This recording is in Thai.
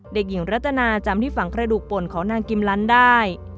เด็กหญิงรัตนาจำที่ฝังกระดูกป่นของนางกิมลันได้